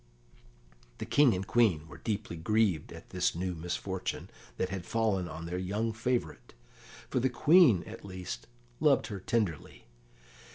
The King and Queen were deeply grieved at this new misfortune that had fallen on their young favourite, for the Queen, at least, loved her tenderly.